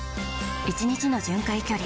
１日の巡回距離